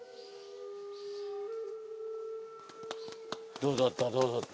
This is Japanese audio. どうだった？